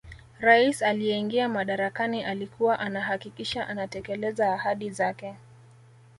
rais aliyeingia madarakani alikuwa anahakikisha anatekeleza ahadi zake